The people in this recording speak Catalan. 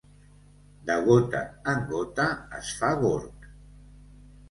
De gota en gota es fa gorg.